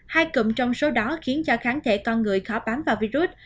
hai cụm trong số đó khiến cho kháng thể con người khó bám vào virus